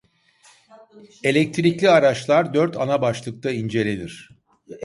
Elektrikli araçlar dört ana başlıkta incelenir.